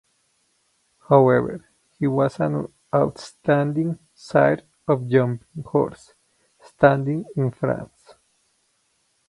However, he was an outstanding sire of jumping horses, standing in France.